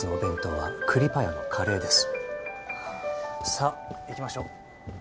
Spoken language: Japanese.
さあ行きましょう。